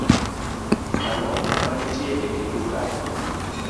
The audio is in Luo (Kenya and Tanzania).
Ang'o ma nitie e kindu kae.